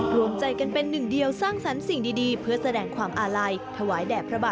รวมใจกันเป็นหนึ่งเดียวสร้างสรรค์สิ่งดีเพื่อแสดงความอาลัยถวายแด่พระบาท